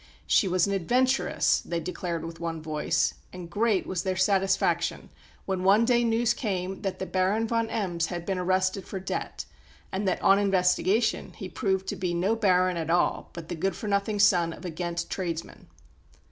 She was an adventuress, they declared with one voice; and great was their satisfaction when, one day, news came that the Baron von Embs had been arrested for debt and that, on investigation, he proved to be no Baron at all, but the good for nothing son of a Ghent tradesman.